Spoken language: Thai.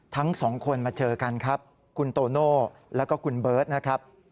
ทั้งสองคนมาเจอกันครับคุณโตโน่แล้วก็คุณเบิร์ตนะครับ